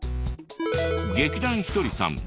劇団ひとりさん